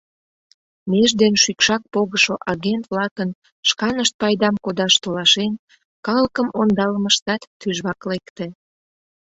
Меж ден шӱкшак погышо агент-влакын, шканышт пайдам кодаш толашен, калыкым ондалымыштат тӱжвак лекте.